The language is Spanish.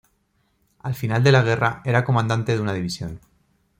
Al final de la guerra era comandante de una división.